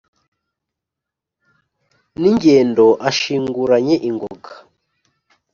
n' ingendo ashinguranye ingoga